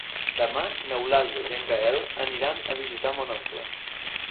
Demà n'Eulàlia i en Gaël aniran a visitar mon oncle.